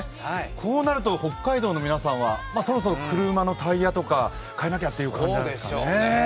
こうなると北海道の皆さんはそろそろ車のタイヤとか替えなきゃって感じなんでしょうかね。